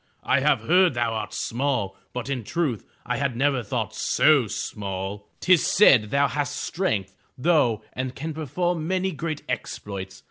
I have heard thou art small, but in truth I had never thought so small! Tis said thou hast strength, though, and can perform many great exploits!